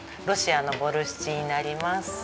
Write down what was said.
ロシアのボルシチになります。